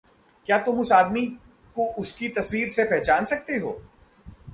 क्या तुम उस आदमी को उसकी तस्वीर से पहचान सकते हो?